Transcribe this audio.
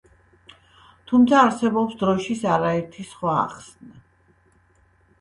თუმცა არსებობს დროშის არაერთი სხვა ახსნა.